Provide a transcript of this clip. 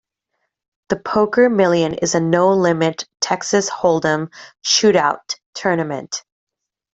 The Poker Million is a no-limit Texas holdem "shootout" tournament.